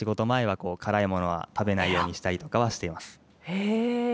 へえ！